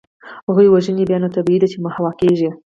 هغوی وژني، بیا نو طبیعي ده چي محوه کیږي.